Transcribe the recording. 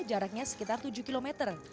jaraknya sekitar tujuh km